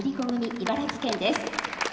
茨城県です